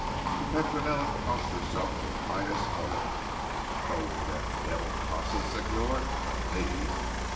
But Petronella crossed herself with pious horror. "Go to that devil casa Signor! Not me.